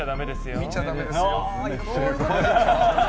見ちゃだめですよ。